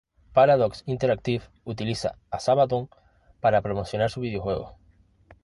Paradox Interactive utiliza a Sabaton para promocionar sus videojuegos.